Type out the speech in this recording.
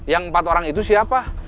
yang empat orang itu siapa